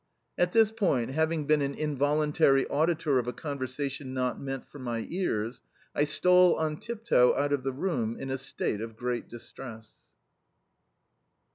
At this point, having been an involuntary auditor of a conversation not meant for my ears, I stole on tiptoe out of the room, in a state of great distress.